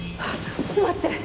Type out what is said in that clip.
待って！